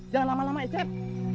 jangan lama lama ecep